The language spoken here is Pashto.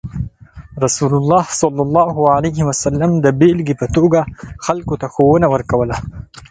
رسول الله صلى الله عليه وسلم د بیلګې په توګه خلکو ته ښوونه ورکوله.